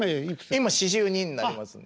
今４２になりますね。